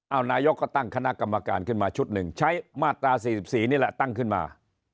เอานายกก็ตั้งคณะกรรมการขึ้นมาชุดหนึ่งใช้มาตรา๔๔นี่แหละตั้งขึ้นมา